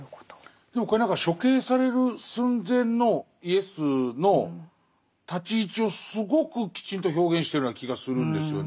でもこれ何か処刑される寸前のイエスの立ち位置をすごくきちんと表現してるような気がするんですよね。